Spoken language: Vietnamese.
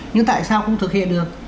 nhưng tại sao không thực hiện được